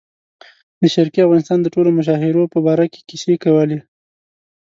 د شرقي افغانستان د ټولو مشاهیرو په باره کې کیسې کولې.